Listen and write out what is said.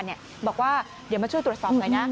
มันเห็นเดี๋ยวมาช่วยตรวจสอบหน่อยนะ